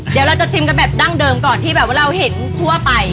เดี๋ยวเราจะชิมกันแบบดั้งเดิมก่อนที่แบบว่าเราเห็นทั่วไป